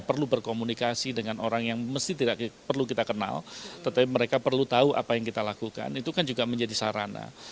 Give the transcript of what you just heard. perlu berkomunikasi dengan orang yang mesti tidak perlu kita kenal tetapi mereka perlu tahu apa yang kita lakukan itu kan juga menjadi sarana